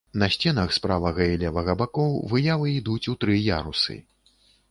На сценах з правага і левага бакоў выявы ідуць у тры ярусы.